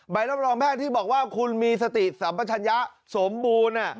ใบรับรองแพทย์ที่บอกว่าคุณมีสติสัมปัชญะสมบูรณ์